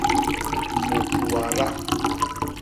Mut wada.